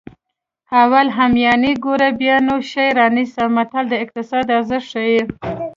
اول همیانۍ ګوره بیا نو شی رانیسه متل د اقتصاد ارزښت ښيي